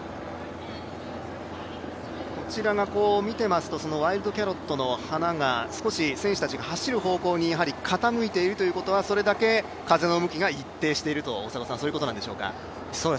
見ていますとワイルドキャロットの花が少し選手たちが走る方向に傾いているというのはそれだけ、風の向きが一定しているということなんでしょうか。